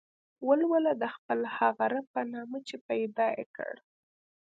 ولوله د خپل هغه رب په نامه چې پيدا يې کړ.